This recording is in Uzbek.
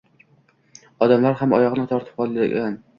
Odamlar ham oyog‘ini tortib qolgan.